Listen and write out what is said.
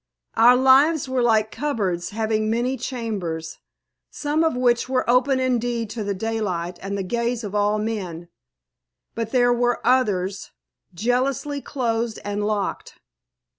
Our lives were like cupboards having many chambers, some of which were open indeed to the daylight and the gaze of all men, but there were others jealously closed and locked.